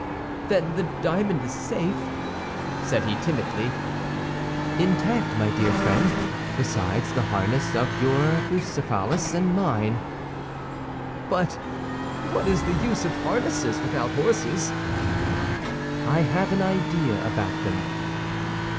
"Then the diamond is safe?" said he, timidly. "Intact, my dear friend; besides the harness of your Bucephalus and mine." "But what is the use of harnesses without horses?" "I have an idea about them."